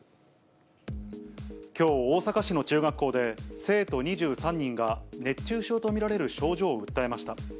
きょう大阪市の中学校で、生徒２３人が熱中症と見られる症状を訴えました。